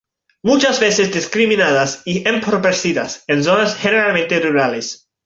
Muchas veces discriminadas y empobrecidas en zonas generalmente rurales.